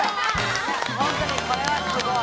・ほんとにこれはすごい！